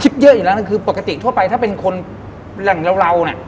เยอะอยู่แล้วนะคือปกติทั่วไปถ้าเป็นคนแหล่งเราเนี่ย